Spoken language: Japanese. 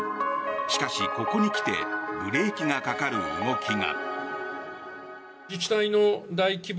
しかし、ここに来てブレーキがかかる動きが。